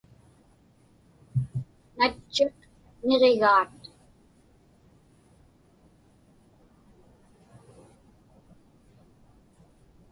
Natchiq niġigaat.